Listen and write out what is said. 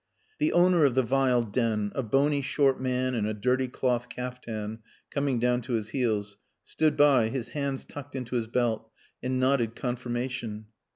The owner of the vile den, a bony short man in a dirty cloth caftan coming down to his heels, stood by, his hands tucked into his belt, and nodded confirmation.